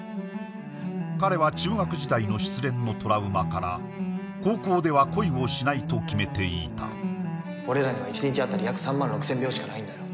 彼は中学時代の失恋のトラウマから高校では恋をしないと決めていた俺らには１日あたり約３万６０００秒しかないんだよ